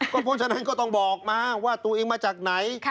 เพราะฉะนั้นก็ต้องบอกมาว่าตัวเองมาจากไหน